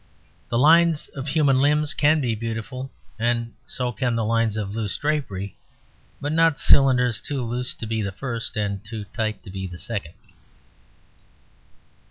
The lines of human limbs can be beautiful, and so can the lines of loose drapery, but not cylinders too loose to be the first and too tight to be the second.